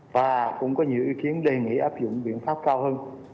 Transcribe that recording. và cũng có nhiều ý kiến đề nghị áp dụng biện pháp cao hơn